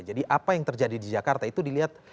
jadi apa yang terjadi di jakarta itu dilihat